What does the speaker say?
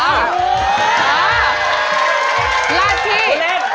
ลาดพี่